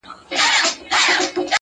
انسانان چي له غوایانو په بېلېږي -